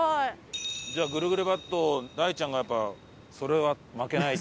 じゃあぐるぐるバット大ちゃんがやっぱそれは負けない。